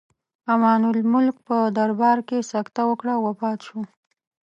امان الملک په دربار کې سکته وکړه او وفات شو.